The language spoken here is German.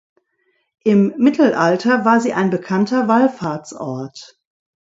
Im Mittelalter war sie ein bekannter Wallfahrtsort.